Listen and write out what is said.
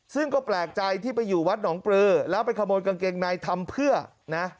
ซึ่งก็แปลกใจที่ไปอยู่วัดหนองปลือแล้วไปขโมยกางเกงในทำเพื่อนะ